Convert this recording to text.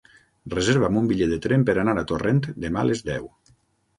Reserva'm un bitllet de tren per anar a Torrent demà a les deu.